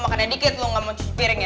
makannya dikit lu nggak mau cuci piring ya